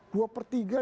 dan ketika itu